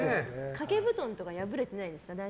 掛け布団とか破れてないですか。